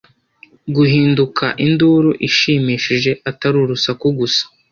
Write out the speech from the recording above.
Guhinduka induru ishimishije Atari urusaku gusa